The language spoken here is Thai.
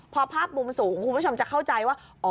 พอภาพมุมสูงคุณผู้ชมจะเข้าใจว่า